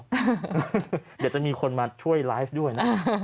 เดี๋ยวจะมีคนมาช่วยไลฟ์ด้วยนะ